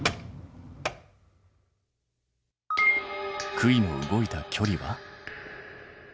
杭の動いた距離は？